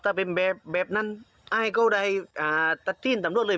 ถ้าเป็นแบบแบบนั้นอ้ายก็ได้อ่าตัดที่นำตำรวจเลย